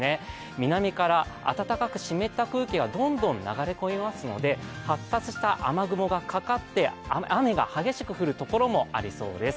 南から暖かく湿った空気がどんどん流れ込みますので、発達した雨雲がかかって雨が激しく降るところもありそうです。